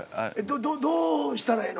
どどどうしたらええの？